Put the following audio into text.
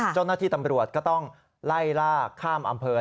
เจ้าหน้าที่ตำรวจก็ต้องไล่ล่าข้ามอำเภอ